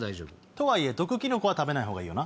とはいえ毒キノコは食べないほうがいいよな。